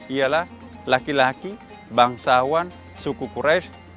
ialah laki laki bangsawan suku quraish